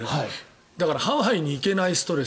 だからハワイに行けないストレス。